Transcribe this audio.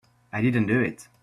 I didn't do it.